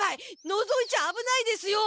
のぞいちゃあぶないですよ！